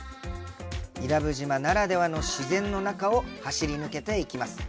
伊良部島ならではの自然の中を走り抜けていきます。